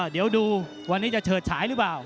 เดี๋ยวดูวันนี้จะเฉิดฉายหรือเปล่า